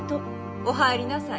・お入りなさい。